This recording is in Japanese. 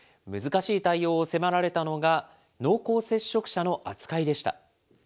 難しい対応を迫られたのが、濃厚接触者の扱いでした。